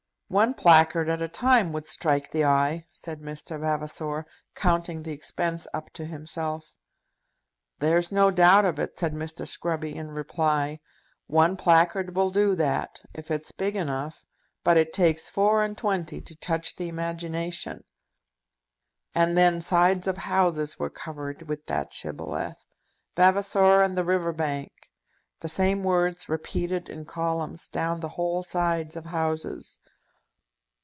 "One placard at a time would strike the eye," said Mr. Vavasor, counting the expense up to himself. "There's no doubt of it," said Mr. Scruby in reply. "One placard will do that, if it's big enough; but it takes four and twenty to touch the imagination." And then sides of houses were covered with that shibboleth "Vavasor and the River Bank" the same words repeated in columns down the whole sides of houses.